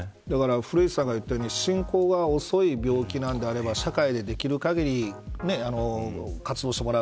古市さんが言ったように進行が遅い病気なのであれば社会で、できる限り活動してもらう。